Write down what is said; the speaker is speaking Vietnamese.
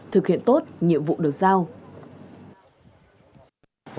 thực hiện tốt nhiệm vụ được giao